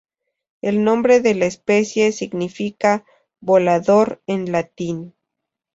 El nombre de la especie significa "volador" en latín.